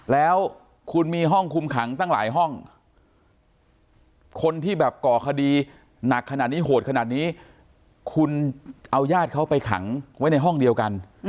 แล้วคุณมีห้องคุมขังตั้งหลายห้องคนที่แบบก่อคดีหนักขนาดนี้โหดขนาดนี้คุณเอาญาติเขาไปขังไว้ในห้องเดียวกัน